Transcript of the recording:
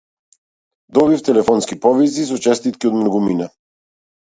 Добив телефонски повици со честитки од многумина.